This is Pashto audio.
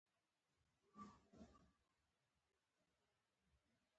کاربن ډای اکساید د سږو له لارې بهر ته وځي.